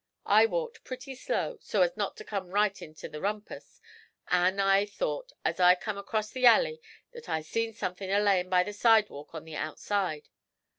I walked pretty slow, so as not to come right into the rumpus, an' I thought, as I come acrost the alley, that I see somethin' a layin' by the side walk on the outside.